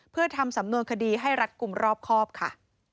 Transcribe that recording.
เพื่อทำสำนวนคดีให้รัฐกลุ่มรอบครอบค่ะ